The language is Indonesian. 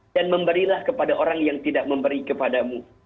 dan memberilah kepada orang yang tidak memberi kepadamu